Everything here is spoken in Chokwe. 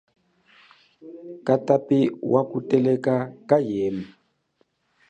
Katapi wa kuteleka kayema.